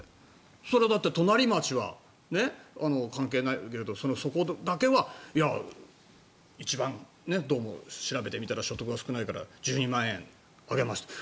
それはだって隣町は関係ないけれどそこだけはどうも調べてみたら一番所得が少ないから１２万円上げましたって。